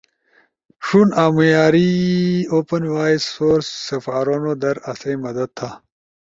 ݜون اؤ معیاری اوپن وائس سورس سپارونو در آسئی مدد تھا۔